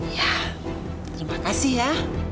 ya terima kasih ya